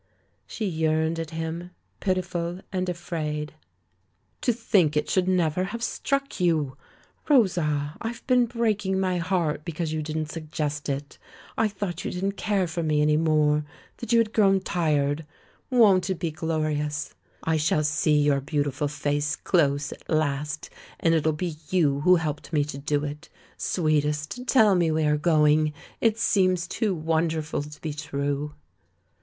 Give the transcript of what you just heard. She yearned at him, pitiful and afraid. "To think it should never have struck you! Rosa, I've been breaking my heart because you THE LAURELS AND THE LADY 137 didn't suggest it; I thought you didn't care for me any more, that you had grown tired. Won't it be glorious? I shall see your beautiful face close, at last, and it'll be you who helped me to do it. Sweetest, tell me we are going! It seems too wonderful to be true."